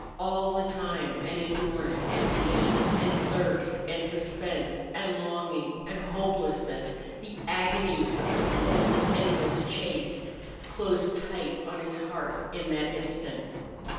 All the time and endurance and pain and thirst and suspense and longing and hopelessness the agony of the whole endless chase closed tight on his heart in that instant.